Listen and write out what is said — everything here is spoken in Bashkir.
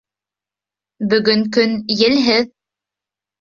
— Бөгөн көн елһеҙ.